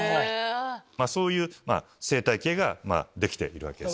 そういう生態系ができているわけです。